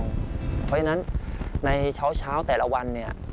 เพราะฉะนั้นในเช้าแต่ละวันเนี่ย